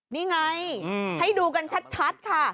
นี่ไงให้ดูกันชัดค่ะ